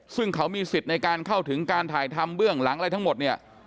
ซึ่งเขามีสิทธิ์ในการเข้าถึงการถ่ายทำเบื้องหลังอะไรทั้งหมดเนี่ย